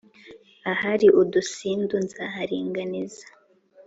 ahari udusindu nzaharinganiza,